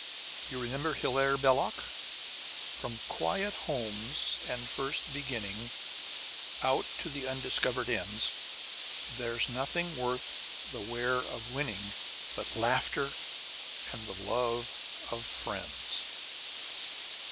You remember Hilaire Belloc: From quiet homes and first beginning Out to the undiscovered ends, There's nothing worth the wear of winning But laughter, and the love of friends.